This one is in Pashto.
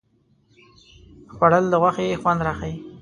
خوړل د غوښې خوند راښيي